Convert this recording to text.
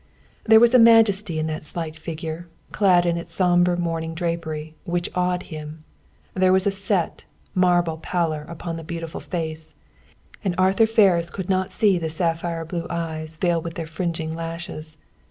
There was a majesty in that slight figure, clad in its sombre mourning drapery, which awed him. There was a set, marble pallor upon the beautiful face, and Arthur Ferris could not see the sapphire blue eyes veiled with their fringing lashes.